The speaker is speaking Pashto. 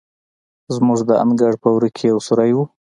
زموږ د انګړ په وره کې یو سورى و.